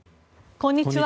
こんにちは。